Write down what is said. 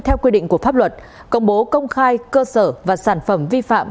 theo quy định của pháp luật công bố công khai cơ sở và sản phẩm vi phạm